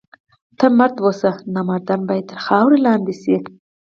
ته مرد اوسه! نامردان باید تر خاورو لاندي سي.